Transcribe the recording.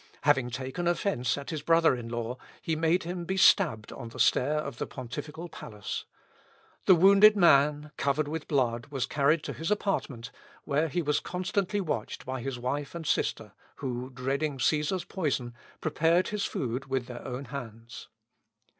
Having taken offence at his brother in law, he made him be stabbed on the stair of the pontifical palace. The wounded man, covered with blood, was carried to his apartment, where he was constantly watched by his wife and sister, who, dreading Cæsar's poison, prepared his food with their own hands.